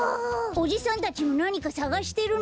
おじさんたちもなにかさがしてるの？